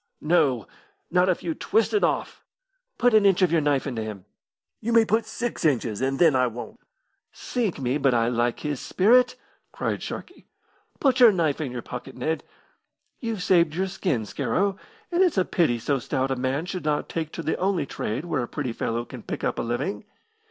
"No; not if you twist it off." "Put an inch of your knife into him." "You may put six inches, and then I won't." "Sink me, but I like his spirit!" cried Sharkey. "Put your knife in your pocket, Ned. You've saved your skin, Scarrow, and it's a pity so stout a man should not take to the only trade where a pretty fellow can pick up a living.